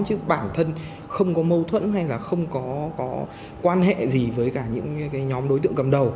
chứ bản thân không có mâu thuẫn hay là không có quan hệ gì với cả những nhóm đối tượng cầm đầu